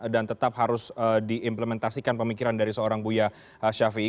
dan tetap harus diimplementasikan pemikiran dari seorang buya syafiee